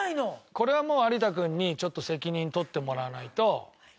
これはもう有田君にちょっと責任取ってもらわないと。